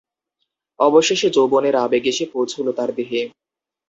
অবশেষে যৌবনের আবেগ এসে পৌঁছল তার দেহে।